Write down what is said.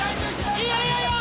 いいよいいよ。